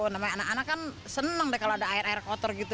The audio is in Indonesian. namanya anak anak kan seneng deh kalau ada air air kotor gitu